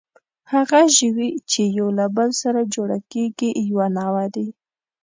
هغه ژوي، چې یو له بل سره جوړه کېږي، یوه نوعه ده.